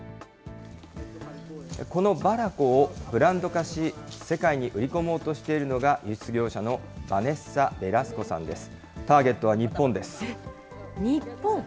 このバラコをブランド化し、世界に売り込もうとしているのが、輸出業者のバネッサ・ベラスコさんです。